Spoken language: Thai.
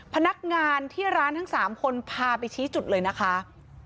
พนักงานที่ร้านทั้ง๓คนพาไปชี้จุดเลยนะคะ